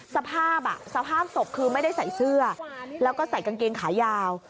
สภาพสภาพศพคือไม่ได้ใส่เสื้อแล้วก็ใส่กางเกงขายาว